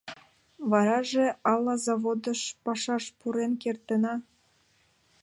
Вараже ала заводыш пашаш пурен кертына.